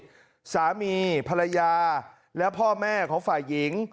สามีภรรยาและพ่อแม่ของฝ่ายหญิง